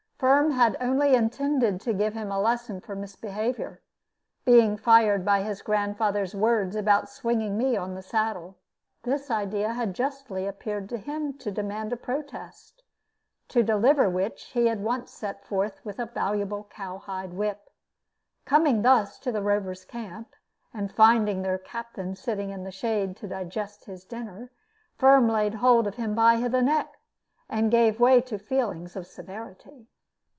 Firm had only intended to give him a lesson for misbehavior, being fired by his grandfather's words about swinging me on the saddle. This idea had justly appeared to him to demand a protest; to deliver which he at once set forth with a valuable cowhide whip. Coming thus to the Rovers' camp, and finding their captain sitting in the shade to digest his dinner, Firm laid hold of him by the neck, and gave way to feelings of severity.